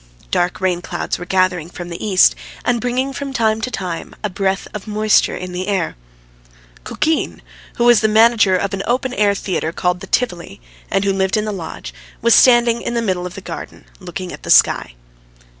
Dark rainclouds were gathering from the east, and bringing from time to time a breath of moisture in the air. Kukin, who was the manager of an open air theatre called the Tivoli, and who lived in the lodge, was standing in the middle of the garden looking at the sky.